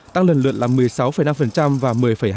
tăng lần lượn là một mươi sáu năm và một mươi hai mươi sáu